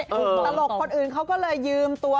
ตลกคนอื่นเขาก็เลยยืมตัว